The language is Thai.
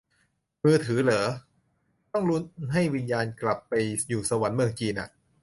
มือถือเหรอ ต้องลุ้นให้วิญญาณกลับไปอยู่สวรรค์เมืองจีนอ่ะ